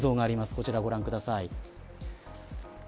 こちら、ご覧ください。